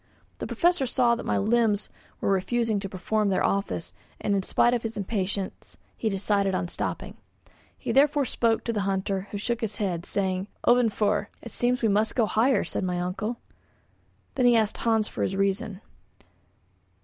The Professor saw that my limbs were refusing to perform their office, and in spite of his impatience he decided on stopping. He therefore spoke to the hunter, who shook his head, saying: "Ofvanför." "It seems we must go higher," said my uncle. Then he asked Hans for his reason.